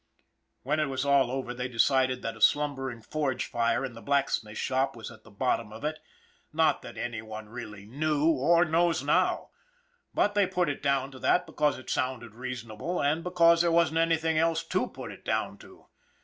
When it was all over they decided that a slumbering forge fire in the blacksmith shop was at the bottom of it not that any one really knew, or knows now, but they put it down to that because it sounded rea sonable and because there wasn't anything else to put it down to.